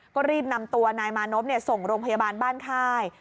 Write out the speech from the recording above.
ก็รีบนำตัวนายมานพส่งโรงพยาบาลบ้านค่าย